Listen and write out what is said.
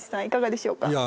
いかがでしょうか？